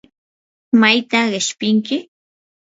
¿mayta qishpinki?